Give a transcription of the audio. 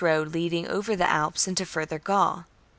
road leading over the Alps into Further Gaul.